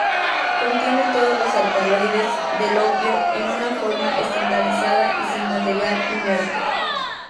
Contiene todos los alcaloides del opio en una forma estandarizada y sin material inerte.